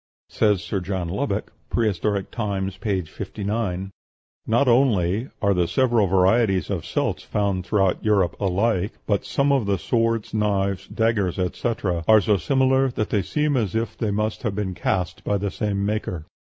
Says Sir John Lubbock ("Prehistoric Times," p. 59), "Not only are the several varieties of celts found throughout Europe alike, but some of the swords, knives, daggers, etc., are so similar that they seem as if they must have been cast by the same maker."